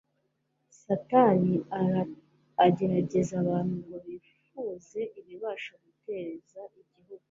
Satani agerageza abantu ngo bifuze ibibasha guteza igihu